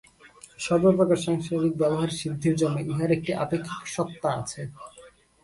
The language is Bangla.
সর্বপ্রকার সাংসারিক ব্যবহারসিদ্ধির জন্য ইহার একটি আপেক্ষিক সত্তা আছে।